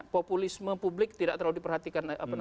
populisme publik tidak terlalu diperhatikan